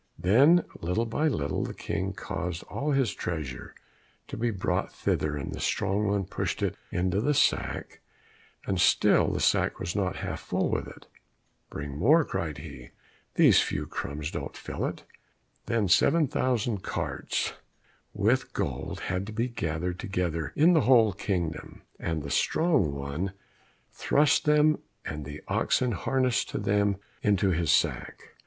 Then, little by little, the King caused all his treasure to be brought thither, and the strong one pushed it into the sack, and still the sack was not half full with it. "Bring more," cried he, "these few crumbs don't fill it." Then seven thousand carts with gold had to be gathered together in the whole kingdom, and the strong one thrust them and the oxen harnessed to them into his sack.